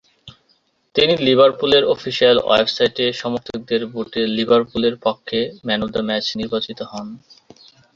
তিনি লিভারপুলের অফিসিয়াল ওয়েবসাইটে সমর্থকদের ভোটে লিভারপুলের পক্ষে ম্যান অফ দ্যা ম্যাচ নির্বাচিত হন।